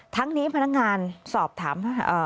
ทั้งนี้พนักงานสอบถาม